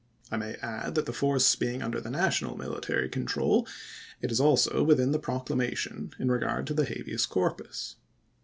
I may add that the force being under the National military control, it is also within the proclama tion in regard to the Habeas Corpus.